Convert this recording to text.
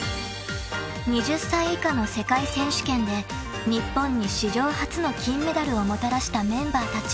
［２０歳以下の世界選手権で日本に史上初の金メダルをもたらしたメンバーたち］